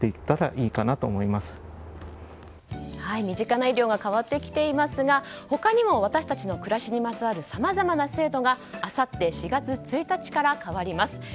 身近な医療が変わってきていますが他にも私たちの暮らしに関わるさまざまな制度があさって４月１日から変わります。